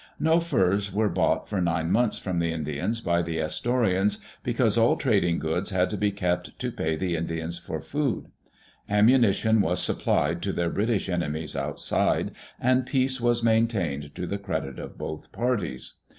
No furs were bought for nine months from the Indians by the Astorians because all trading goods had to be kept to pay the Indians for food. Ammunition was supplied to their British enemies outside, and peace was maintained to the credit of both parties.